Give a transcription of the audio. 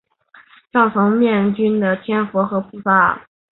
上层每面均塑有千佛或菩萨。